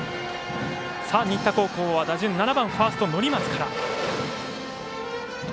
新田高校は打順７番ファースト、乘松から。